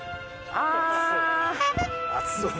ああ！